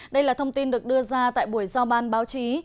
đây là thông tin được đưa ra tại buổi giao ban báo chí